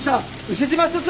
牛島署長！